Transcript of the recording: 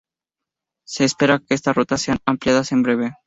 Se espera que estas rutas sean ampliadas en breve.